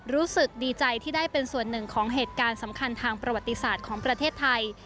รู้สึกดีใจที่ได้เป็นส่วนหนึ่งของเหตุการณ์สำคัญทางประวัติศาสตร์ของประเทศไทย